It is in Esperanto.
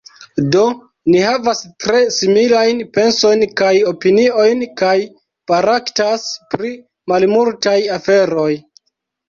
Do, ni havas tre similajn pensojn kaj opiniojn kaj baraktas pri malmultaj aferoj.